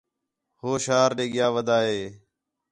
ہو شہر ݙے ڳِیا ودا ہے